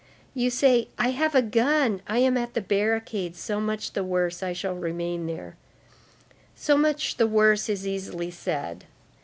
You say: 'I have a gun, I am at the barricade; so much the worse, I shall remain there.' So much the worse is easily said.